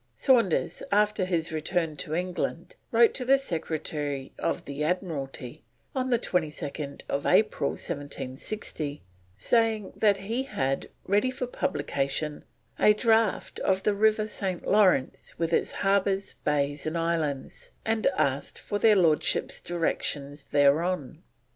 Saunders, after his return to England, wrote to the Secretary of the Admiralty, on 22nd April 1760, saying that he had, ready for publication, a Draught of the River St. Lawrence with its harbours, bays, and islands, and asked for their Lordships' directions thereon.